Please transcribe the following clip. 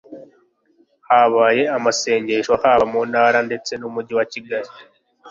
habaye amasengesho haba mu ntara ndetse n'umujyi wa kigali